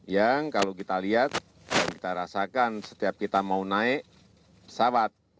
yang kalau kita lihat kita rasakan setiap kita mau naik pesawat